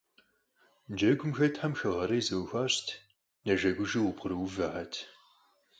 Джэгум хэтхэм хэгъэрей зыкъыхуащӀырт, нэжэгужэу къыбгъурыувэхэрт.